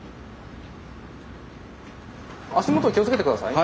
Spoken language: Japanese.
足元気をつけて下さい。